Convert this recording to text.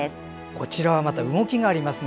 こちらはまた動きがありますね。